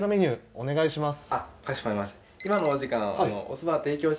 お願いします。